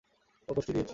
ও কোষ্ঠী দেখেছি।